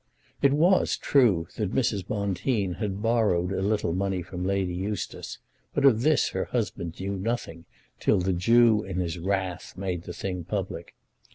It was true that Mrs. Bonteen had borrowed a little money from Lady Eustace, but of this her husband knew nothing till the Jew in his wrath made the thing public.